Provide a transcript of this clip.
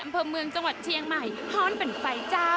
อำเภอเมืองจังหวัดเชียงใหม่